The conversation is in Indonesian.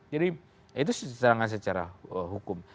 jadi itu serangan secara hukum